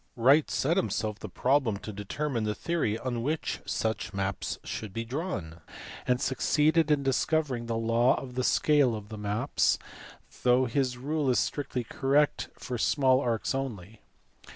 Wright set himself the problem to determine the theory on which such maps should be drawn, and succeeded in discovering the law of the scale of the maps, though his rule is strictly correct for small arcs only.